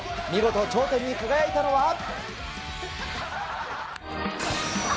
見事頂点に輝いたのは。